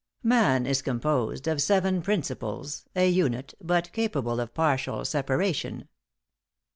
"Man is composed of seven principles, a unit, but capable of partial separation."